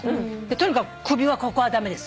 「とにかく首はここは駄目です。